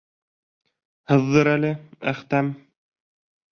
Һыҙҙыр әле, Әхтәм!